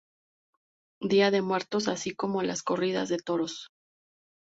Día de muertos así como las corridas de toros.